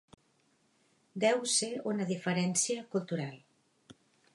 Deu ser una diferència cultural.